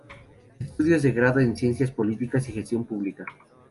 Estudios de Grado en Ciencias Políticas y Gestión Pública.